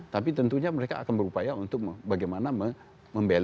tapi tentunya mereka akan berupaya untuk bagaimana membela